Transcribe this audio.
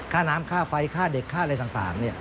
ฝ้าน้ำฝ้าไฟฝ้าเด็กฝ้าอะไรต่าง